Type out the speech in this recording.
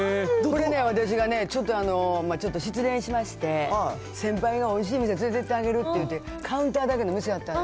私がね、ちょっと失恋しまして、先輩がおいしい店、連れてってあげるっていうて、カウンターだけの店やった。